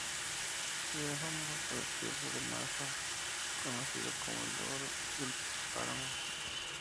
Era famoso el queso de Masa, conocido como el "oro del páramo".